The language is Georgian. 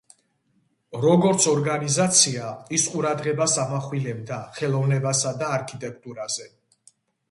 როგორც ორგანიზაცია, ის ყურადღებას ამახვილებდა ხელოვნებასა და არქიტექტურაზე.